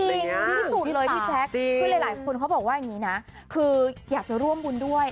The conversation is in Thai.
พี่ซูนเลยมีหลายคนเขาบอกแบบอยากจะร่วมบุญด้วย